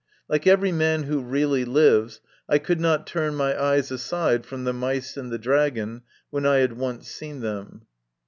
Like every man who really lives, I could not turn my eyes aside from the mice and the dragon, when I had once seen them.